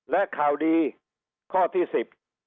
และข่าวดีข้อที่สิบ